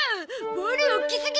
ボール大きすぎ！